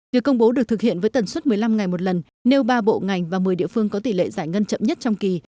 việc công bố được thực hiện với tần suất một mươi năm ngày một lần nêu ba bộ ngành và một mươi địa phương có tỷ lệ giải ngân chậm nhất trong kỳ